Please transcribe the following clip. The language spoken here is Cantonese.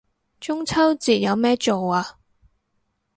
中秋節有咩做啊